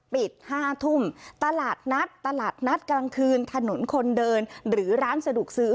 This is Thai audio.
๕ทุ่มตลาดนัดตลาดนัดกลางคืนถนนคนเดินหรือร้านสะดวกซื้อ